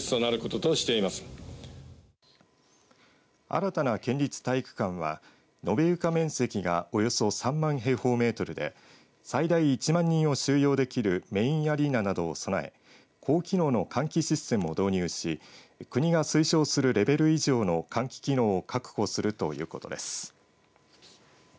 新たな県立体育館は延べ床面積がおよそ３万平方メートルで最大１万人を収容できるメインアリーナなどを備え高機能の換気システムを導入し国が推奨するレベル以上の換気機能を確保するということです。